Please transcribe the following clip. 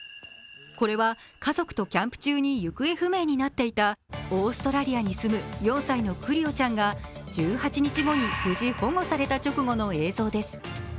これは家族とキャンプ中に行方不明になっていたオーストラリアに住む４歳のクリオちゃんが１８日後に無事、保護された直後の映像です。